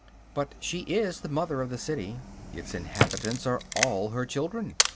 But she is the mother of the city; its inhabitants are all her children.